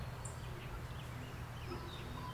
তিনি উক্ত ক্লাবের হয়ে উয়েফা ইউরোপা লীগে খেলেছেন।